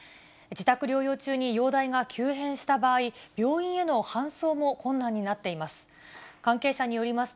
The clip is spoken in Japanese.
自宅療養中に容体が急変した場合、病院への搬送も困難になっています。